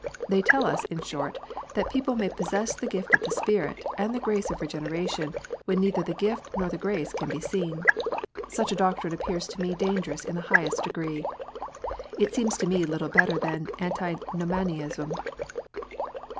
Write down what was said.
They tell us, in short, that people may possess the gift of the Spirit, and the grace of Regeneration, when neither the gift nor the grace can be seen. Such a doctrine appears to me dangerous in the highest degree. It seems to my mind little better than Antinomianism.